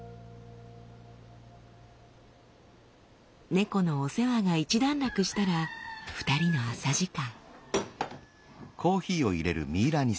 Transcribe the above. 猫のお世話が一段落したら２人の朝時間。